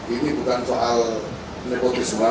ini bukan soal nepotisme